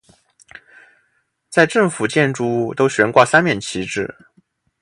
在政府建筑物都悬挂三面旗帜。